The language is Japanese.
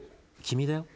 「君だよ」